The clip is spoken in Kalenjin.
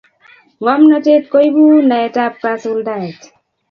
ngomnatet koibu naet ap kasuldaet